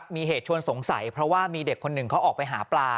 มีเหตุชวนสงสัยเพราะว่ามีเด็กคนหนึ่งเขาออกไปหาปลา